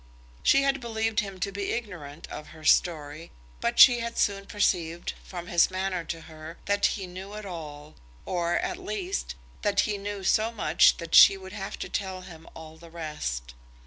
She had believed him to be ignorant of her story, but she had soon perceived, from his manner to her, that he knew it all, or, at least, that he knew so much that she would have to tell him all the rest.